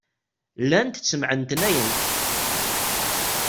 Llant ttemɛetnayent.